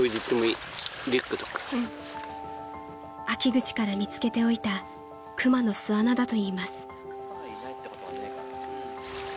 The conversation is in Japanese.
［秋口から見つけておいた熊の巣穴だといいます］